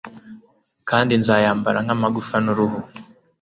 kandi nzayambara nk'amagufwa, nkuruhu